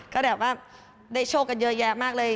ก็แบบว่าได้โชคกันเยอะแยะมากเลย